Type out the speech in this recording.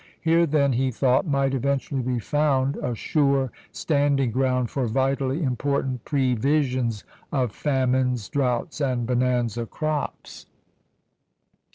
Here, then, he thought, might eventually be found a sure standing ground for vitally important previsions of famines, droughts, and bonanza crops.